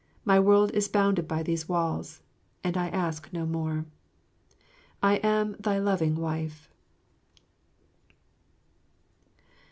My world is bounded by these walls, and I ask no more. I am thy loving wife.